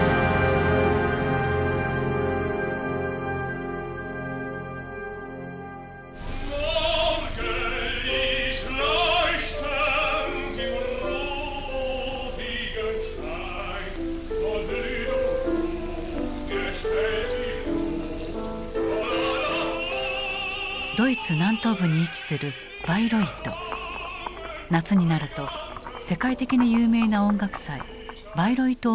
夏になると世界的に有名な音楽祭「バイロイト音楽祭」が開催される。